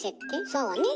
そうね